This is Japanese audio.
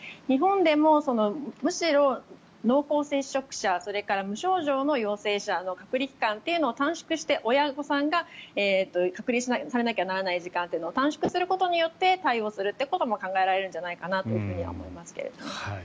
日本でもむしろ、濃厚接触者それから無症状の陽性者の隔離期間を短縮して親御さんが隔離されなきゃならない時間というのを短縮することによって対応するということも考えられるんじゃないかなとは思います。